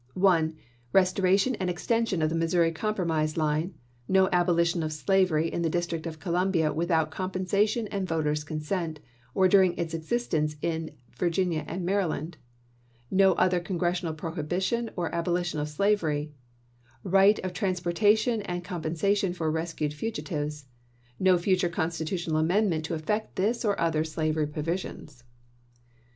1. Restoration and extension of the Missouri Compro mise line ; no abolition of slavery in the District of Colum bia without compensation and voters' consent, or during its existence in Virginia and Maryland ; no other Congres sional prohibition or abolition of slavery ; right of trans portation and compensation for rescued fugitives ; no future constitutional amendment to affect this or other slavery provision. 2.